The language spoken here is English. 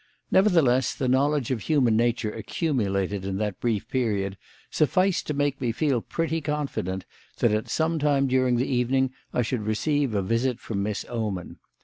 Nevertheless, the knowledge of human nature accumulated in that brief period sufficed to make me feel pretty confident that, at some time during the evening, I should receive a visit from Miss Oman.